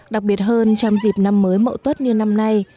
đặc biệt hơn trong dịp năm mới mậu tuất như năm nay